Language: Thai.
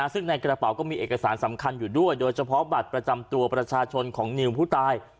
ซึ่งในกระเป๋าก็มีเอกสารสำคัญอยู่ด้วยโดยเฉพาะบัตรประจำตัวประชาชนของนิวผู้ตาย